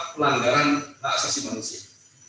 pelanggaran aksesi manusia